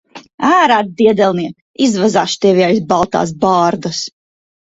Ārā, diedelniek! Izvazāšu tevi aiz baltās bārdas.